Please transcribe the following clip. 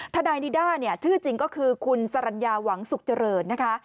ทนายนิด้าที่จริงก็คือคุณสรรญาหวังสุขเจริญ